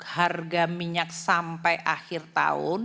harga minyak sampai akhir tahun